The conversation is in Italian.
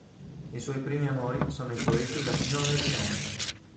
I suoi primi amori sono i poeti latinoamericani.